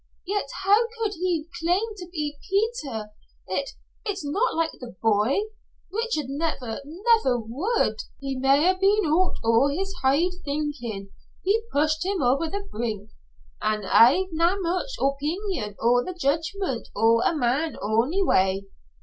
Yet how could he claim to be Peter it it's not like the boy. Richard never, never would " "He may ha' been oot o' his heid thinkin' he pushed him over the brink. I ha'e na much opeenion o' the judgment o' a man ony way.